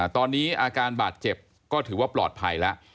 ตอนนี้อาการบาดเจ็บก็ถือว่าปลอดภัยแล้ว